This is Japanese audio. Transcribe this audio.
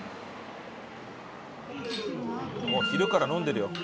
昼から飲んでるよ。